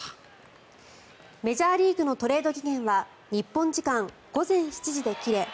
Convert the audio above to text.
メジャーリーグのトレード期限は日本時間午前７時で切れ